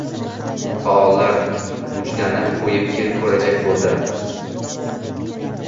Faollar mujdani qo‘yib ko‘rajak bo‘ldi.